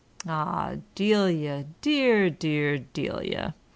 " Ah, Delia! dear, dear Delia!